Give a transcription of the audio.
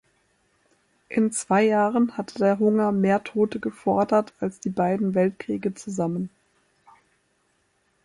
In zwei Jahren hatte der Hunger mehr Tote gefordert als die beiden Weltkriege zusammen.